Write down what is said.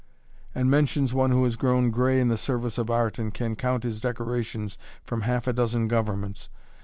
and mentions one who has grown gray in the service of art and can count his decorations from half a dozen governments.